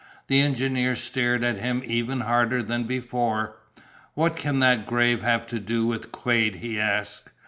The engineer stared at him even harder than before. "What can that grave have to do with Quade?" he asked.